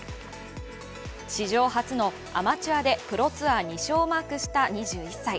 史上初のアマチュアでプロツアー２勝をマークした２１歳。